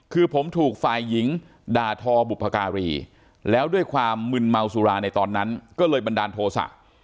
คือผมถูกฝ่ายหญิงด่าทอบุพการีแล้วด้วยความมึนเมาสุราในตอนนั้นก็เลยบันดาลโทษะ